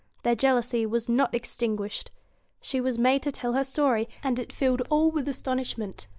Their jealousy was not extinguished. She was made to tell her story, and it filled all with astonishment.